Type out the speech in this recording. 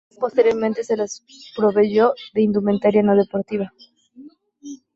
Posteriormente se les proveyó de indumentaria no deportiva.